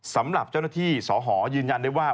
สำหรับเจ้าหน้าที่สหยืนยันได้ว่า